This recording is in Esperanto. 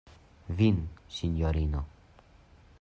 Vin, sinjorino!